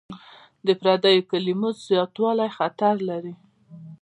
د پردیو کلمو زیاتوالی خطر لري.